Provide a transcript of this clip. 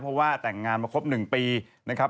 เพราะว่าแต่งงานมาครบ๑ปีนะครับ